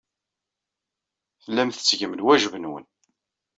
Tellam tettgem lwajeb-nwen.